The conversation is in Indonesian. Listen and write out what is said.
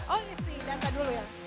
oh isi data dulu ya